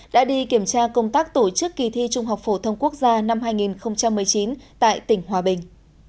đã đi kiểm tra công tác tổ chức kỳ thi trung học phổ thông quốc gia năm hai nghìn một mươi chín tại tỉnh hòa bình